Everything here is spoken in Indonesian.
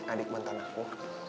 adik mantan aku